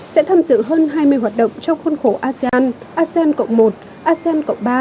sẽ tham dự hơn hai mươi hoạt động trong khuôn khổ asean asean một asean ba